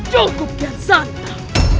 cukup kian santan